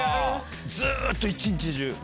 ずっと一日中。